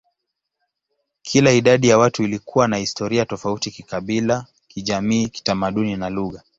Kila idadi ya watu ilikuwa na historia tofauti kikabila, kijamii, kitamaduni, na lugha.